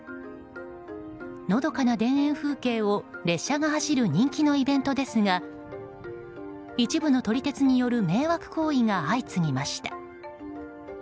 のどかな田園風景を列車が走る人気のイベントですが一部の撮り鉄による迷惑行為が相次ぎました。